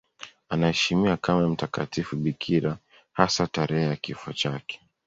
Anaheshimiwa kama mtakatifu bikira, hasa tarehe ya kifo chake.